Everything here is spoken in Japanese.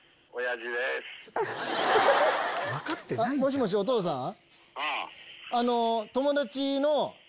もしもしお父さん。